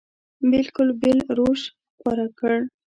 بلکل بېل روش غوره کړ.